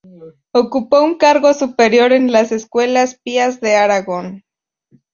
Ocupó un cargo superior en las Escuelas Pías de Aragón.